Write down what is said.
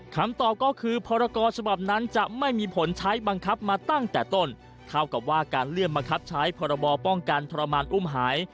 คำตอบก็คือพรกรฉบับนั้นจะไม่มีผลใช้บังคับมาตั้งแต่ต้นเท่ากับว่าการเลื่อนบังคับใช้พรบป้องกันทรมานอุ้มหาย